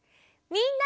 みんな。